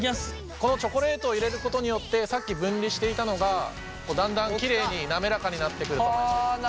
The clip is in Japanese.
このチョコレートを入れることによってさっき分離していたのがだんだんきれいに滑らかになってくると思います。